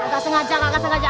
kagak sengaja kagak sengaja